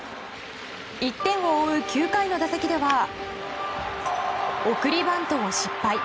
１点を追う９回の打席では送りバントを失敗。